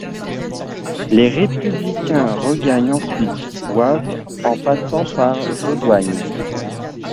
Les Républicains regagnent ensuite Wavre en passant par Jodoigne.